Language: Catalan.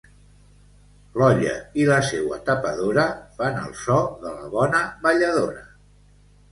L'olla i la seua tapadora fan el so de la bona balladora.